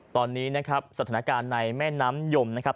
ตอนนี้นะครับสถานการณ์ในแม่น้ำยมนะครับ